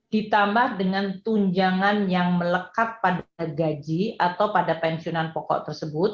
ditambah dengan tunjangan yang melekat pada gaji atau pada pensiunan pokok tersebut